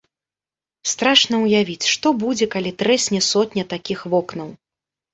Страшна ўявіць, што будзе, калі трэсне сотня такіх вокнаў.